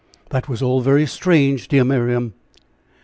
"That was all very strange, dear Miriam."